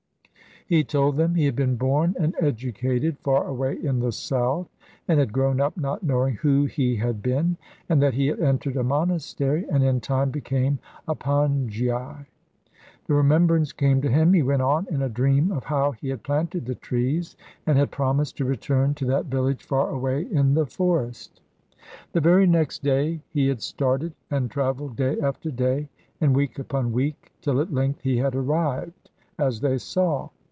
He told them he had been born and educated far away in the South, and had grown up not knowing who he had been; and that he had entered a monastery, and in time became a Pongyi. The remembrance came to him, he went on, in a dream of how he had planted the trees and had promised to return to that village far away in the forest. The very next day he had started, and travelled day after day and week upon week, till at length he had arrived, as they saw.